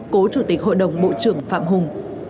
cố chủ tịch hội đồng bộ trưởng phạm hùng